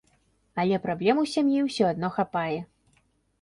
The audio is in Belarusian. Але праблем у сям'і ўсё адно хапае.